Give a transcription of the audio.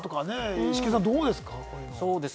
イシケンさん、どうですか？